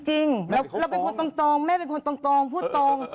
เราเป็นคนตรงแม่เป็นคนตรงพูดตรง